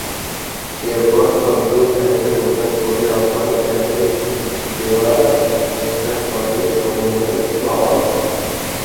এরপর আবদুল হাইকে প্রধান করে আবার প্যানেল দেওয়ার চেষ্টা করে সমন্বয় ফ্রন্ট।